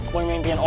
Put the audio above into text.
yang maha kuasa